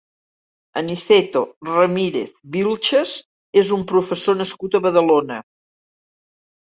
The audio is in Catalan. Aniceto Ramírez Vilches és un professor nascut a Badalona.